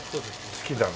好きだな。